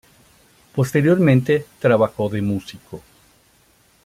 Posteriormente trabajó de músico.